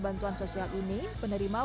bantuan sosial ini penerima